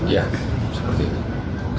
ya seperti itu